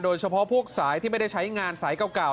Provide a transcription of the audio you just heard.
เฉพาะพวกสายที่ไม่ได้ใช้งานสายเก่า